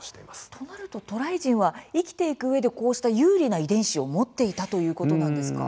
となると、渡来人は生きていくうえでこうした有利な遺伝子を持っていたうーんとですね